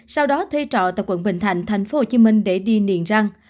sau đó thuê trọ tại quận bình thạnh tp hcm để đi liền răng